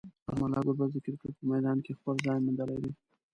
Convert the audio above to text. رحمان الله ګربز د کرکټ په میدان کې خپل ځای موندلی دی.